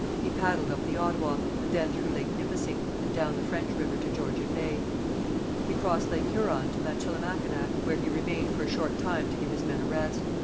He paddled up the Ottawa, and then through Lake Nipissing, and down the French river to Georgian Bay. He crossed Lake Huron to Michilimackinac, where he remained for a short time to give his men a rest.